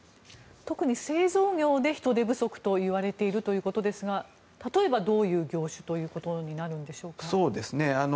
特に製造業で人手不足といわれているということですが例えば、どういう業種ということになるんでしょうか。